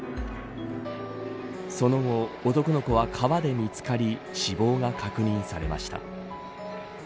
その後、男の子は川で見つかり死亡が確認されました。